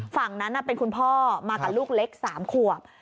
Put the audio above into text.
ฝั่งนั้นเป็นคุณพ่อมากับลูกเล็ก๓ขวบ